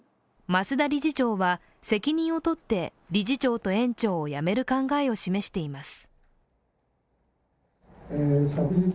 増田理事長は責任を取って理事長と園長を辞める考えを示しています。